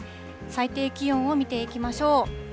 最低気温を見ていきましょう。